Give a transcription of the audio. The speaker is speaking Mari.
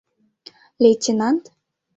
Лейтенант?..